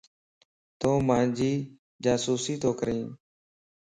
تون مانجي جاسوسي تو ڪرين؟